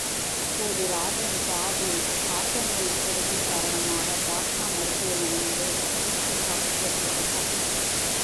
அப்போது ராஜன் பாபு காச நோய் கொடுமை காரணமாக பாட்னா மருத்துவமனையிலே சிகிச்சைக்காகச் சேர்க்கப்பட்டார்.